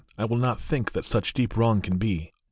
I will not think that such deep wrong can be.